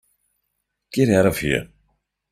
Get out of here.